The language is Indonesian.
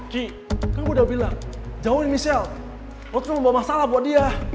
ki kan gue udah bilang jauhin michelle lo cuma bawa masalah buat dia